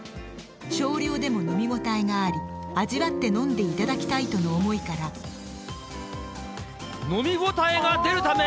少量でも飲み応えがあり、味わって飲んでいただきたいとの飲み応えが出るため。